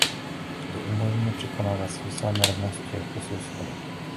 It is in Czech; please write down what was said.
To umožňuje překonávat svislé nerovnosti jako jsou schody.